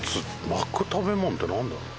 巻く食べ物ってなんだろう？